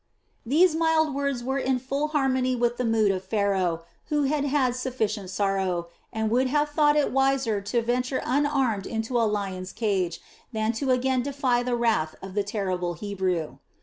These mild words were in full harmony with the mood of Pharaoh, who had had sufficient sorrow, and would have thought it wiser to venture unarmed into a lion's cage than to again defy the wrath of the terrible Hebrew.